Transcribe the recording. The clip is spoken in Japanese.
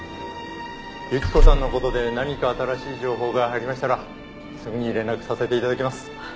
雪子さんのことで何か新しい情報が入りましたらすぐに連絡させていただきます。